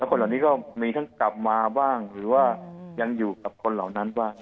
คนเหล่านี้ก็มีทั้งกลับมาบ้างหรือว่ายังอยู่กับคนเหล่านั้นบ้าง